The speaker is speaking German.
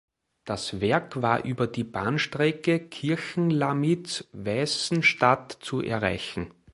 Das Werk war über die Bahnstrecke Kirchenlamitz–Weißenstadt zu erreichen.